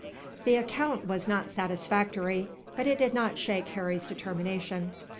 The account was not satisfactory, but it did not shake Harry's determination.